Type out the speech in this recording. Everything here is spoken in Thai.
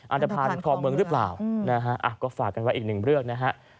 อันตภัณฑ์คลองเมืองหรือเปล่านะฮะก็ฝากกันไว้อีกหนึ่งเรื่องนะฮะ